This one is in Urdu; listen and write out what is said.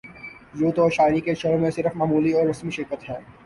یوں تو شاعری کے شعبے میں صرف معمولی اور رسمی شرکت ہے